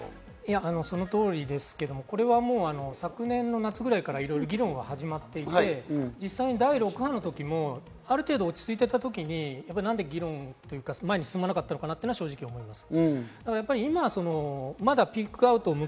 その通りですけれども、これは昨年の夏ぐらいから、いろいろ議論は始まっていて、実際第６波の時もある程度落ち着いていた時になんで議論というか、前に進まなかったのかなと思います。